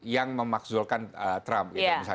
yang memakzulkan trump